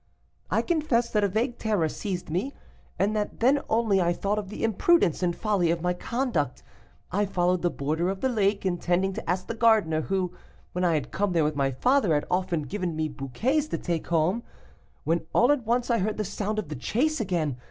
"I confess that a vague terror seized me, and that then only I thought of the imprudence and folly of my conduct. I followed the border of the lake, intending to ask the gardener (who, when I had come there with my father, had often given me bouquets) to take me home, when all at once I heard the sound of the chase again.